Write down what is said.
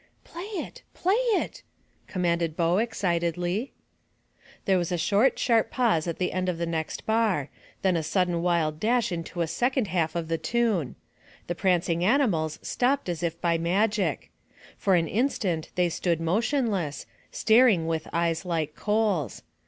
"Play it! Play it!" commanded Bo, excitedly. There was a short, sharp pause at the end of the next bar, then a sudden wild dash into the second half of the tune. The prancing animals stopped as if by magic. For an instant they stood motionless, staring with eyes like coals.